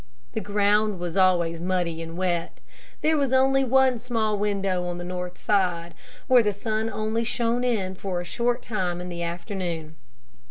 The ground was always muddy and wet; there was only one small window on the north side, where the sun only shone in for a short time in the afternoon.